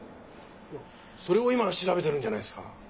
いやそれを今調べてるんじゃないですか。